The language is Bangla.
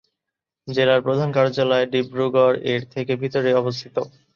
জেলার প্রধান কার্যালয় ডিব্রুগড়, এর থেকে ভিতরে অবস্থিত।